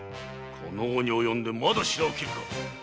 この期に及んでまだ白を切るか。